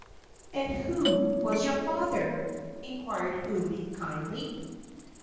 "And who was your father?" inquired Umi, kindly.